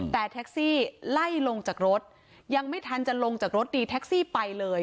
แต่แท็กซี่ไล่ลงจากรถยังไม่ทันจะลงจากรถดีแท็กซี่ไปเลย